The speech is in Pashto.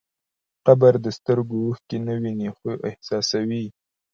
قبر د سترګو اوښکې نه ویني، خو احساسوي.